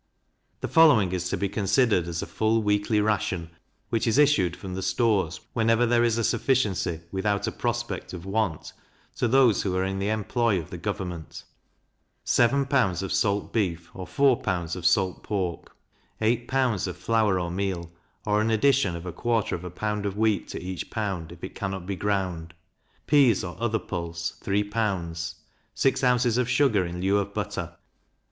The following is to be considered as a full weekly Ration, which is issued from the stores whenever there is a sufficiency without a prospect of want, to those who are in the employ of government: Seven pounds of salt beef, or four pounds of salt pork; eight pounds of flour or meal, or an addition of a quarter of a pound of wheat to each pound, if it cannot be ground; pease or other pulse, three pounds; six ounces of sugar in lieu of butter.